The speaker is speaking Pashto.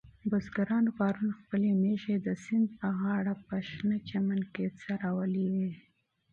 بزګرانو پرون خپلې مېږې د سیند په غاړه په شنه چمن کې څرولې وې.